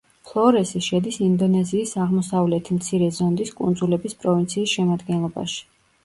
ფლორესი შედის ინდონეზიის აღმოსავლეთი მცირე ზონდის კუნძულების პროვინციის შემადგენლობაში.